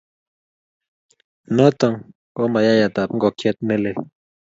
Noto ko mayayatab ngokchet nelel